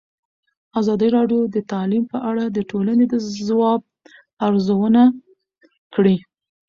ازادي راډیو د تعلیم په اړه د ټولنې د ځواب ارزونه کړې.